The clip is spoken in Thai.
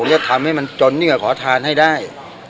ผมจะทำให้มันจนอย่างเขาขอทานให้ได้